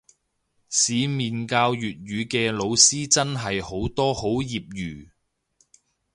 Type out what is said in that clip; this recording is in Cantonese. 市面教粵語嘅老師真係好多好業餘